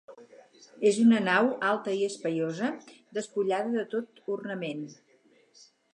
És una nau alta i espaiosa, despullada de tot ornament.